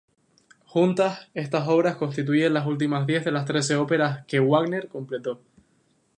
Juntas, estas obras constituyen las últimas diez de las trece óperas que Wagner completó.